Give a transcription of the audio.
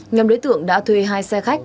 nhóm đối tượng đã thuê hai xe khách